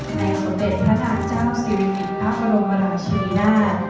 ที่ได้สุดเด็จทัศนาเจ้าซีริมิตพระบรมราชินา